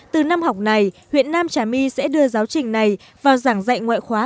từ năm học này huyện nam trà my sẽ đưa giáo trình này vào giảng dạy ngoại khóa